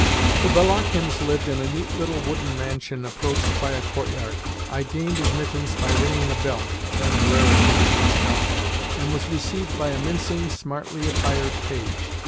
The Valakhins lived in a neat little wooden mansion approached by a courtyard. I gained admittance by ringing a bell (then a rarity in Moscow), and was received by a mincing, smartly attired page.